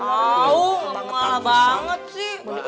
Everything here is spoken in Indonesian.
emang malah banget sih